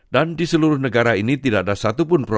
dan di seluruh negara ini tidak ada satupun probleman